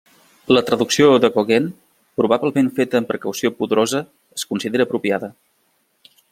La traducció de Gauguin, probablement feta amb precaució pudorosa, es considera apropiada.